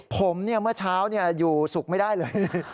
ผมเมื่อเช้าอยู่สุขไม่ได้เลย